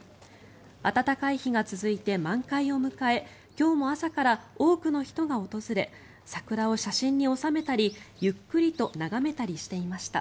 暖かい日が続いて、満開を迎え今日も朝から多くの人が訪れ桜を写真に収めたり、ゆっくりと眺めたりしていました。